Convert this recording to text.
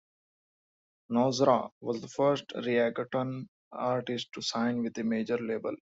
Noztra was the first reggaeton artist to sign with a major label.